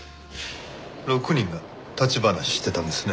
６人が立ち話してたんですね？